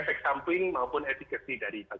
baik sampling maupun etiketi dari vaksin